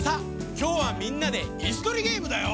きょうはみんなでいすとりゲームだよ。